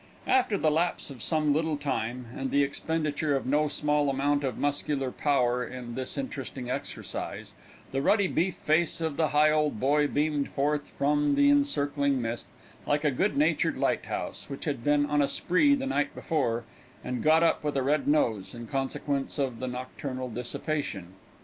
After the lapse of some little time, and the expenditure of no small amount of muscular power in this interesting exercise, the ruddy beef face of the Higholdboy beamed forth from the encircling mist, like a good natured light house, which had been on a spree the night before, and got up with a red nose, in consequence of the nocturnal dissipation.